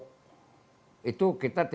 bapak sejauh ini